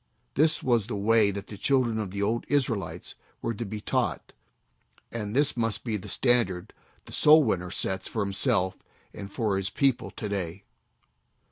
This was the way that the children of the old Israelites were to be taught, and this must be the standard the soul winner sets for himself and for his people to day.